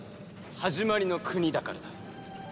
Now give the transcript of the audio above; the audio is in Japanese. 始まりの国だからだ。